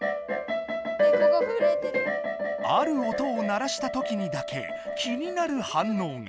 ある音を鳴らしたときにだけ気になるはんのうが。